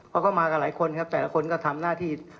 เขาก็มากับหลายคนครับแต่ละคนก็ทำหน้าที่